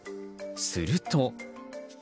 すると。